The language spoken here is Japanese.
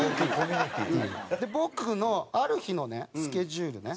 僕のある日のねスケジュールね。